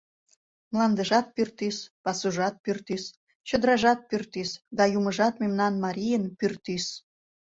Мландыжат — пӱртӱс, пасужат — пӱртӱс, чодыражат — пӱртӱс да юмыжат мемнан марийын — пӱртӱс!